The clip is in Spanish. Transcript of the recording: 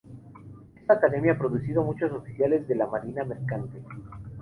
Esta academia ha producido muchos oficiales de la marina mercante.